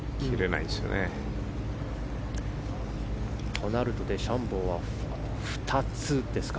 そうなるとデシャンボーは２つですか。